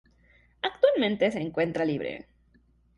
Actualmente se encuentra libre.